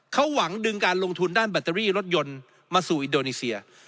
เขาหวังดึงการลงทุนด้านแบตเตอรี่รถยนต์มาสู่อินโดนีเซีย